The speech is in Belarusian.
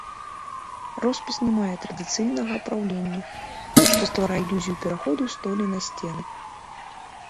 Роспіс не мае традыцыйнага апраўлення, што стварае ілюзію пераходу столі на сцены.